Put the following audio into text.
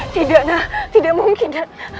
tidak tidak mungkin